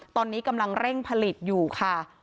ตอนนี้กำลังเร่งผลิตอยู่ค่ะ